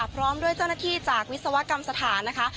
พร้อมด้วยเจ้าหน้าที่จากวิศวกรรมสถานนะคะ